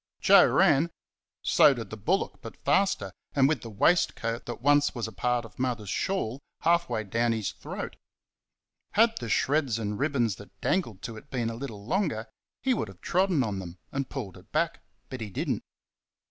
Joe ran so did the bullock, but faster, and with the waistcoat that once was a part of Mother's shawl half way down his throat. Had the shreds and ribbons that dangled to it been a little longer, he might have trodden on them and pulled it back, but he did n't.